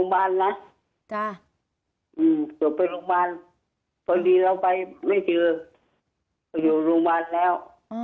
ในบ้านนะตัวไปบ้านพอดีเราไปไม่เจออยู่บ้านแล้ว